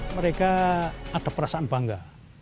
mereka ada perasaan bangga